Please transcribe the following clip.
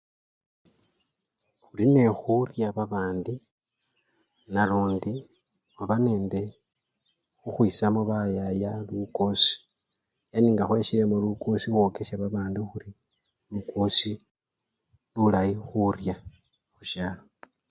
Khuli ne khurya babandi nalundi khulinende khukhwisamo bayaya lukosi, deni nga khweshilemo lukosi khwokesha babandi khuri lukosi lulayi khurya khushalo.